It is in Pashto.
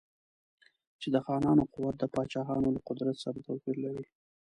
چې د خانانو قوت د پاچاهانو له قدرت سره توپیر لري.